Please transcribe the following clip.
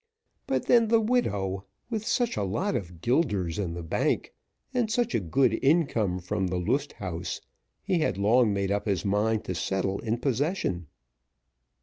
But then the widow with such lots of guilders in the bank, and such a good income from the Lust Haus, he had long made up his mind to settle in possession.